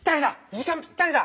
時間ぴったりだ。